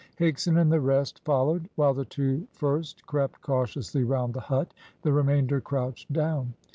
Higson and the rest followed. While the two first crept cautiously round the hut, the remainder crouched down.